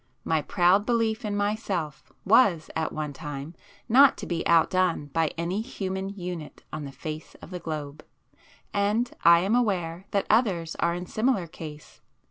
My proud belief in myself was, at one time, not to be outdone by any human unit on the face of the globe. And I am aware that others are in similar case.